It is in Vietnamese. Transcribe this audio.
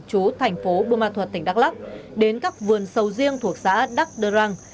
chú thành phố bưu ma thuật tỉnh đắk lắk đến các vườn sầu riêng thuộc xã đắk đơ răng